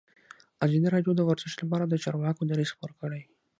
ازادي راډیو د ورزش لپاره د چارواکو دریځ خپور کړی.